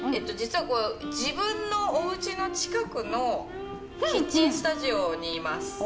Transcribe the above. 実はこれ自分のおうちの近くのキッチンスタジオにいます。